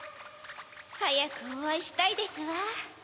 はやくおあいしたいですわ。